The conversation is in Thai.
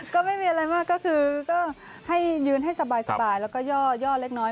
ก็ไม่มีอะไรมากก็คือก็ให้ยืนให้สบายแล้วก็ย่อเล็กน้อย